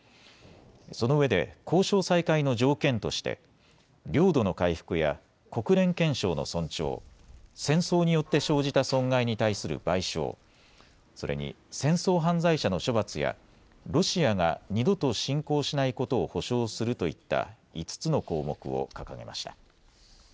そのうえで交渉再開の条件として領土の回復や国連憲章の尊重、戦争によって生じた損害に対する賠償、それに戦争犯罪者の処罰やロシアが二度と侵攻しないことを保証するといった５つの項目を掲げました。